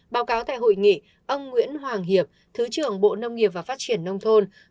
báo cáo tại hội nghị ông nguyễn hoàng hiệp thứ trưởng bộ nông nghiệp và phát triển nông thôn